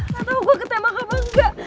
gatau gua ketembak apa engga